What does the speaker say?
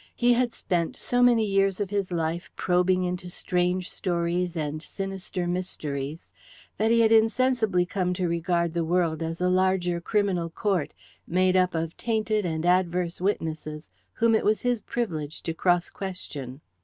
He had spent so many years of his life probing into strange stories and sinister mysteries that he had insensibly come to regard the world as a larger criminal court, made up of tainted and adverse witnesses, whom it was his privilege to cross question.